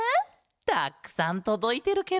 たっくさんとどいてるケロ。